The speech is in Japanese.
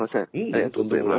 ありがとうございます。